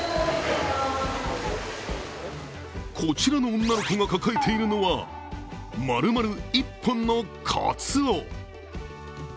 こちらの女の子が抱えているのはまるまる１本のかつお。